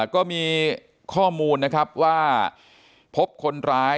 ก็มีข้อมูลนะครับว่าพบคนร้าย